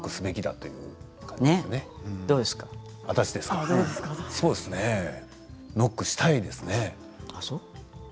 そうですねノックしたいですね。